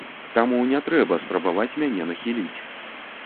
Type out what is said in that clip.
Таму не трэба спрабаваць мяне нахіліць!